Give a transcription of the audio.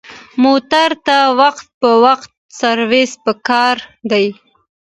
موټر ته وخت په وخت سروس پکار دی.